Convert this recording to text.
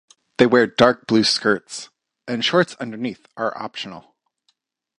They wear dark blue skirts, and shorts underneath are optional.